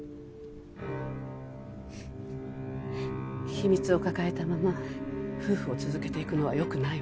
秘密を抱えたまま夫婦を続けていくのは良くないわ。